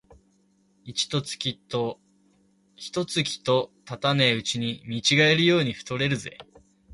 一と月とたたねえうちに見違えるように太れるぜ